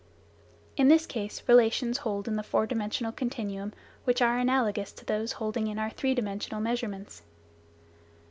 In this case relations hold in the four dimensional continuum which are analogous to those holding in our three dimensional measurements.